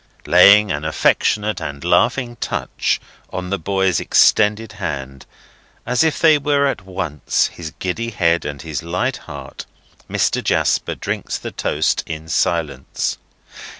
Laying an affectionate and laughing touch on the boy's extended hand, as if it were at once his giddy head and his light heart, Mr. Jasper drinks the toast in silence.